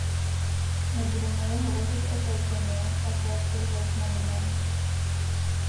Nebudeme-li hovořit otevřeně, také to zaznamenají.